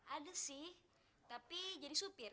ada sih tapi jadi supir